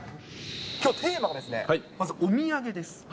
きょう、テーマがですね、まず、お土産です。